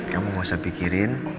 kamu gak usah pikirin